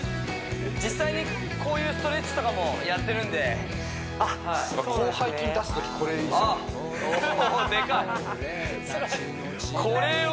実際にこういうストレッチとかもやってるんであっそうなんですね